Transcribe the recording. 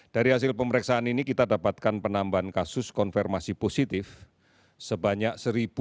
dari hasil pemeriksaan ini kita dapatkan penambahan kasus konfirmasi positif sebanyak satu tiga ratus delapan puluh enam